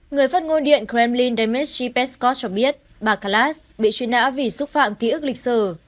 người phát ngôn điện kremlin dmitry peskov cho biết bạc kayakalas bị truy nã vì xúc phạm ký ức lịch sử